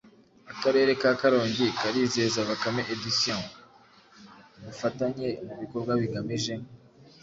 Akarere ka Karongi karizeza Bakame Editions ubufatanye mu bikorwa bigamije